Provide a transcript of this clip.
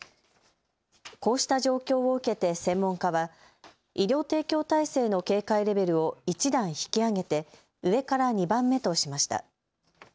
こうした状況を受けて専門家は医療提供体制の警戒レベルを１段引き上げて上から２番目としました。